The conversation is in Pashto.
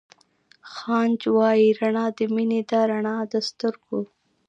خانج وائي رڼا َد مينې ده رڼا َد سترګو